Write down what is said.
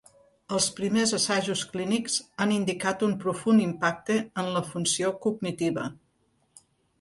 Els primers assajos clínics han indicat un profund impacte en la funció cognitiva.